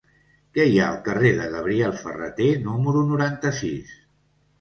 Què hi ha al carrer de Gabriel Ferrater número noranta-sis?